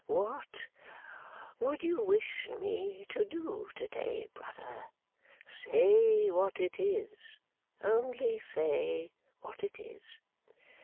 What would you wish me to do to day, brother? Say what it is, only say what it is.